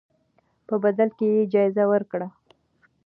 په بدل کې یې جایزه ورکړئ.